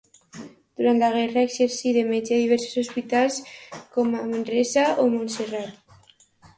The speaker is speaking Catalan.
Durant la guerra exercí de metge a diversos hospitals com Manresa o Montserrat.